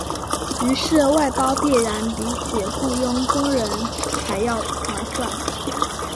于是外包必然比起雇用工人还要划算。